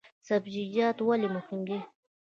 سبزیجات ولې مهم دي؟